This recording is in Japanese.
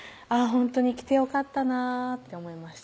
ほんとに来てよかったなって思いました